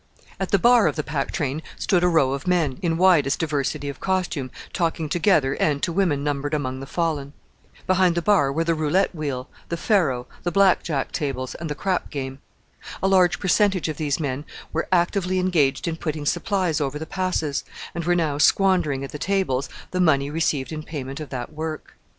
At the bar of the Pack Train stood a row of men, in widest diversity of costume, talking together and to women numbered among the fallen. Behind the bar were the roulette wheel, the faro, the Black Jack tables, and the crap game. A large percentage of these men were actively engaged in putting supplies over the Passes, and were now squandering at the tables the money received in payment of that work.